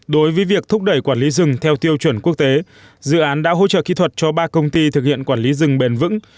đối với việc thúc đẩy quản lý rừng theo tiêu chuẩn quốc tế dự án đã hỗ trợ kỹ thuật cho ba công ty thực hiện quản lý rừng bền vững